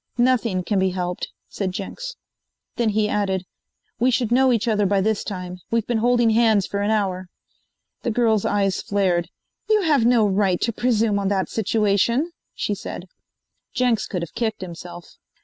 "Nothing can be helped," said Jenks. Then he added: "We should know each other by this time. We have been holding hands for an hour." The girl's eyes flared. "You have no right to presume on that situation," she said. Jenks could have kicked himself.